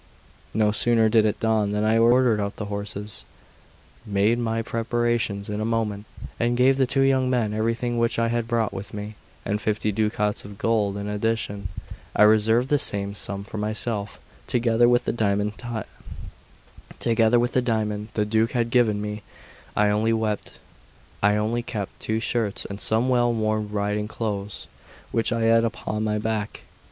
No sooner did it dawn than I ordered out the horses, made my preparations in a moment, and gave the two young men everything which I had brought with me, and fifty ducats of gold in addition. I reserved the same sum for myself, together with the diamond the Duke had given me; I only kept two shirts and some well worn riding clothes which I had upon my back.